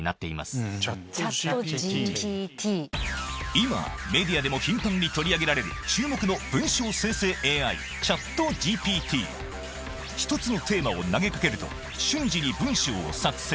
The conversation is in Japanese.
今メディアでも頻繁に取り上げられる注目の１つのテーマを投げかけると瞬時に文章を作成